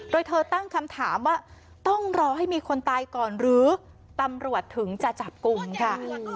โดยเธอตั้งคำถามว่าต้องรอให้มีคนตายก่อนหรือตำรวจถึงจะจับกลุ่มค่ะ